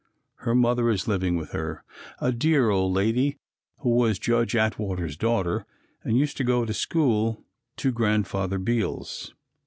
Her mother is living with her, a dear old lady who was Judge Atwater's daughter and used to go to school to Grandfather Beals.